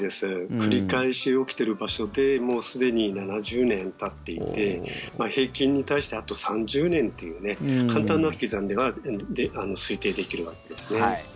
繰り返し起きている場所でもうすでに７０年たっていて平均に対してあと３０年という簡単な引き算で推定できるわけですね。